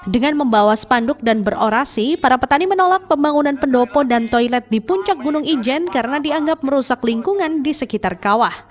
dengan membawa spanduk dan berorasi para petani menolak pembangunan pendopo dan toilet di puncak gunung ijen karena dianggap merusak lingkungan di sekitar kawah